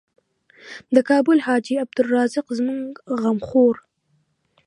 د کابل حاجي عبدالرزاق زموږ غم خوړ.